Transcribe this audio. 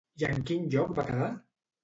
I en quin lloc va quedar?